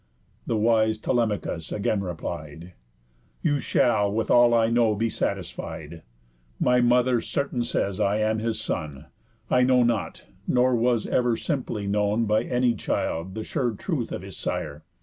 The wise Telemachus again replied: "You shall with all I know be satisfied. My mother certain says I am his son; I know not; nor was ever simply known By any child the sure truth of his sire.